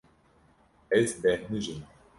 Ez bêhnijîm.